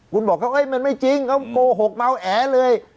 คุณบอกมันไม่จริงเขาโกหกเมาแอเลย